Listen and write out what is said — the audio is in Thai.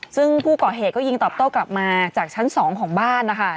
ซึ่งผู้ก่อเหตุก็ยิงตอบโต้กลับมาจากชั้น๒ของบ้านนะคะ